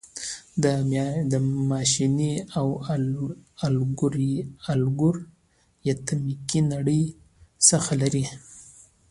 د ماشیني او الګوریتمیکي نړۍ څخه لیري